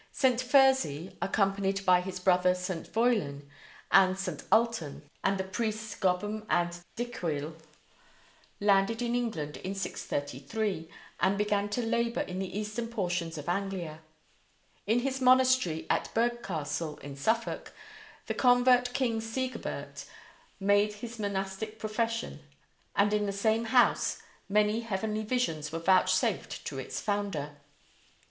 St. Fursey, accompanied by his brother St. Foillan and St. Ultan and the priests Gobham and Dicuil, landed in England in 633, and began to labor in the eastern portions of Anglia. In his monastery at Burghcastle, in Suffolk, the convert king Sigebert made his monastic profession, and in the same house many heavenly visions were vouchsafed to its founder.